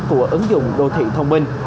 của ứng dụng đô thị thông minh